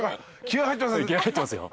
気合入ってますよ。